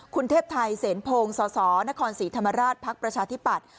คุณเทพไทยเสียนโพงสสนศรีธรรมราชพักประชาธิปัตย์